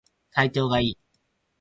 体調いい